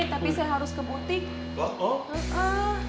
tapi saya harus ke butik